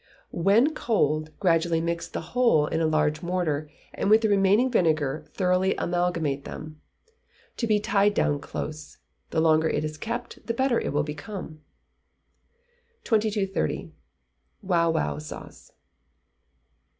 When cold, gradually mix the whole in a large mortar, and with the remaining vinegar thoroughly amalgamate them. To be tied down close. The longer it is kept the better it will become. 2230. Wow Wow Sauce.